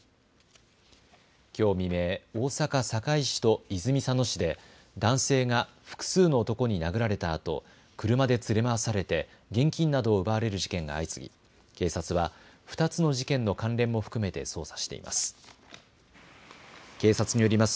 きょう未明、大阪堺市と泉佐野市で男性が複数の男に殴られたあと車で連れ回されて現金などを奪われる事件が相次ぎ警察は２つの事件の関連も含めて捜査しています。